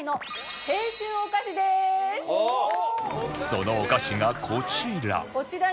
そのお菓子がこちら